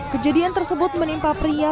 kejadian tersebut menimpa pria